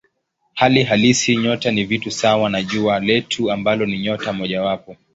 Hali halisi nyota ni vitu sawa na Jua letu ambalo ni nyota mojawapo.